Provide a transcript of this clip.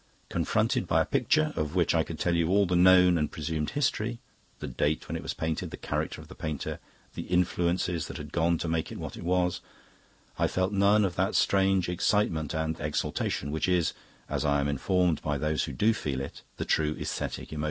Confronted by a picture, of which I could tell you all the known and presumed history the date when it was painted, the character of the painter, the influences that had gone to make it what it was I felt none of that strange excitement and exaltation which is, as I am informed by those who do feel it, the true aesthetic emotion.